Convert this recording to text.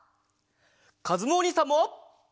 かずむおにいさんも！